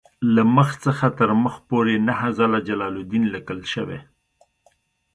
له مخ څخه تر مخ پورې نهه ځله جلالدین لیکل شوی.